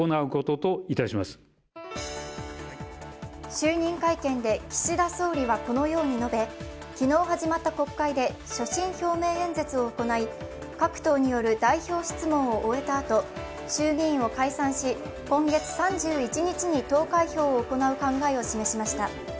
就任会見で岸田総理はこのように述べ、各党による代表質問を終えたあと、衆議院を解散し、今月３１日に投開票を行う考えを示しました。